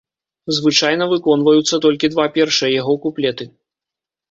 Звычайна выконваюцца толькі два першыя яго куплеты.